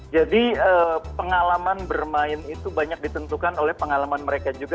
jadi pengalaman bermain itu banyak ditentukan oleh pengalaman mereka juga